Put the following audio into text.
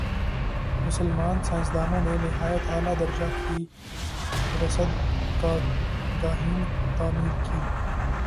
مسلمان سائنسدانوں نے نہایت عالیٰ درجہ کی رصدگاہیں تعمیر کیں